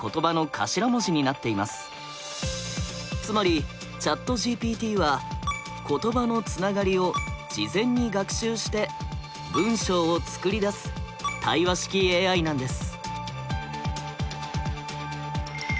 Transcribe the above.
つまり「ＣｈａｔＧＰＴ」は「言葉のつながり」を「事前に学習」して「文章を作り出す」対話式ＡＩなんです。